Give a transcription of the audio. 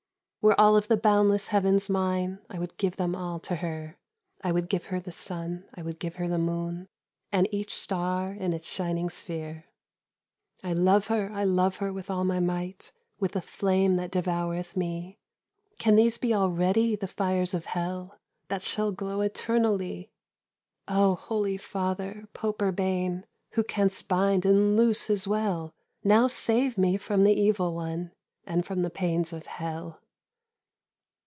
"Were all of the boundless heavens mine, I would give them all to her, I would give her the sun, I would give her the moon And each star in its shining sphere. "I love her, I love her with all my might, With a flame that devoureth me. Can these be already the fires of hell, That shall glow eternally? "Oh, holy Father, Pope Urbain, Who canst bind and loose as well, Now save me from the evil one, And from the pains of hell!"